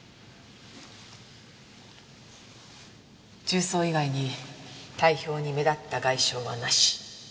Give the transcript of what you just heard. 銃創以外に体表に目立った外傷はなし。